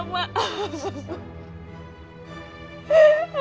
kamu harus tak ber cornelis saja